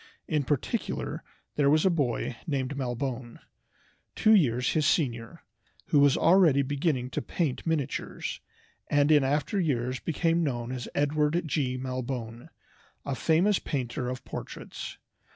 In particular there was a boy named Malbone, two years his senior, who was already beginning to paint miniatures, and in after years became known as Edward G. Malbone, a famous painter of portraits.